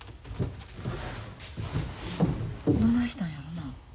どないしたんやろな。